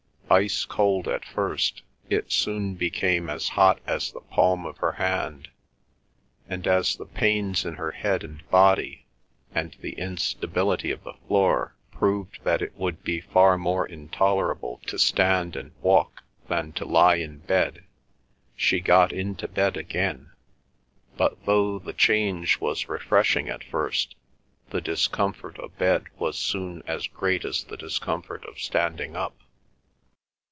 Ice cold at first, it soon became as hot as the palm of her hand, and as the pains in her head and body and the instability of the floor proved that it would be far more intolerable to stand and walk than to lie in bed, she got into bed again; but though the change was refreshing at first, the discomfort of bed was soon as great as the discomfort of standing up.